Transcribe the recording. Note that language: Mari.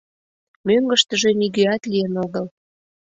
Мӧҥгыштыжӧ нигӧат лийын огыл.